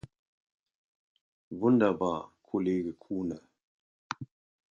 Wunderbar, Kollege Kuhne!